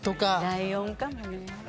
ライオンかもね。